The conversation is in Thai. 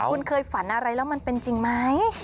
คุณเคยฝันอะไรแล้วมันเป็นจริงไหม